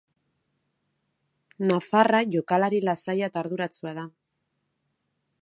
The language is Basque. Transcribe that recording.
Nafarra jokalari lasaia eta arduratsua da.